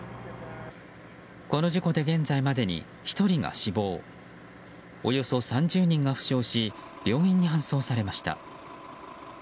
この事故で現在までに１人が死亡およそ３０人が負傷し病院に搬送されました。